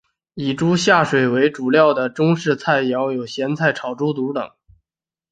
以猪下水为主料的中式菜肴有咸菜炒猪肚等。